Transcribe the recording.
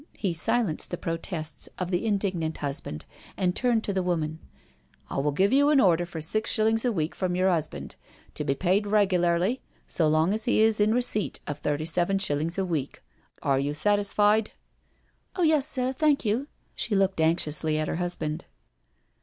He silenced the protests of the indignant husband, and turned to the woman: " I will give you an order for. six shillings a week from your husband, to be paid regularly, so long as he is in receipt of thirty seven shillings a week. Are you satisfied?" " Oh yes, sir, thank you." She looked anxiously at her husband.